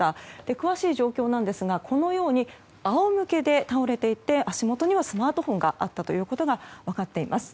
詳しい状況なんですがこのように仰向けで倒れていて、足元にはスマートフォンがあったことが分かっています。